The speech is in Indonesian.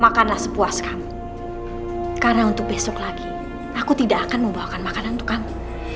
makanlah sepuas kamu karena untuk besok lagi aku tidak akan membawakan makanan untuk kamu